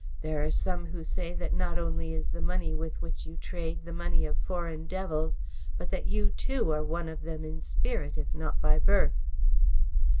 There are some who say that not only is the money with which you trade the money of foreign devils, but that you, too, are one of them in spirit if not by birth."